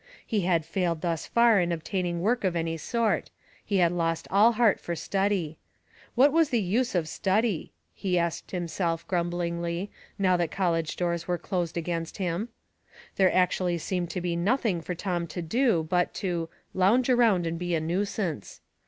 He had failed thus far in obtaining work of any sort — he had lost all heart for study. " What was the use of study ?'* he asked himself, grumblingly, now that college doors were closed against him. There actually seemed to be nothing for Tom to do but to " lounge around and be a nuisance."